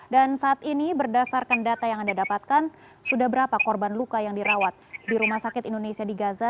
dan saat ini berdasarkan data yang anda dapatkan sudah berapa korban luka yang dirawat di rumah sakit indonesia di gaza